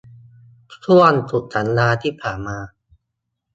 ช่วงสุดสัปดาห์ที่ผ่านมา